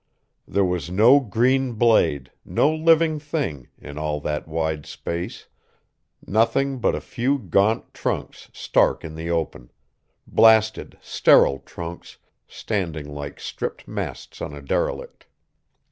There was no green blade, no living thing, in all that wide space, nothing but a few gaunt trunks stark in the open; blasted, sterile trunks standing like stripped masts on a derelict.